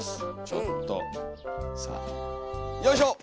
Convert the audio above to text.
ちょっとさあよいしょ。